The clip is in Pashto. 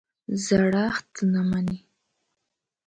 زړښت نه مني.